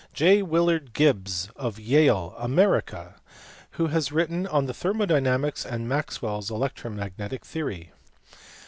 J. Willard Gibbs, of Yale, America, who has written on thermodynamics and Maxwell s electromagnetic theory.